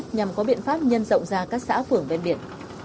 nhằm có biện pháp nhân rộng ra các xã phường ven biển